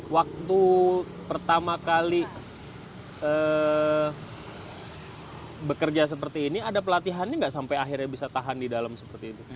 waktu pertama kali bekerja seperti ini ada pelatihannya nggak sampai akhirnya bisa tahan di dalam seperti itu